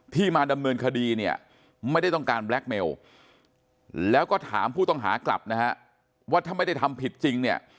ที่มาดำเนินคดีไม่ได้ต้องการแบล็คเมลแล้วก็ถามผู้ต้องหากลับว่าถ้าไม่ได้ทำผิดจริง